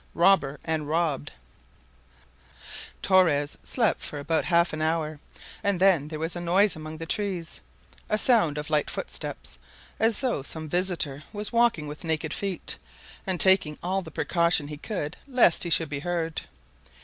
ROBBER AND ROBBED Torres slept for about half an hour, and then there was a noise among the trees a sound of light footsteps, as though some visitor was walking with naked feet, and taking all the precaution he could lest he should be heard.